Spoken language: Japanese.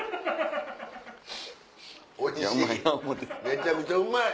めちゃくちゃうまい。